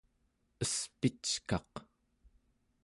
espickaq